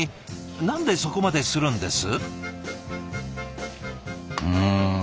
なんでそこまでするんです？